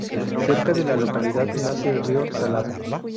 Cerca de la localidad nace el río Salado.